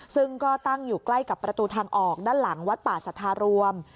ซึ่งก็ตั้งอยู่ใกล้กับประตูทางออกด้านหลังวัดป่าสัทธารวม